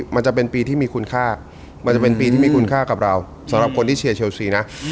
มันก็เป็นปีที่ไม่น่าจดจำเท่าไหร่